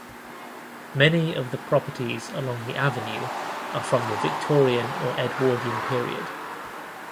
Many of the properties along the Avenue are from the Victorian or Edwardian period.